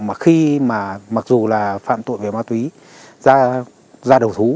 mà khi mà mặc dù là phạm tội về ma túy ra đầu thú